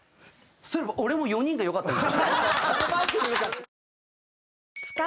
それ俺も４人がよかったです。